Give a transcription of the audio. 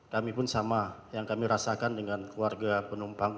kami pun sama yang kami rasakan dengan keluarga penumpang